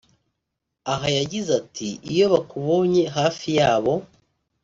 aha yagize ati “iyo bakubonye hafi yabo